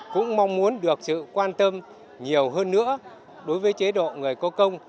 cũng mong muốn được sự quan tâm nhiều hơn nữa đối với chế độ người có công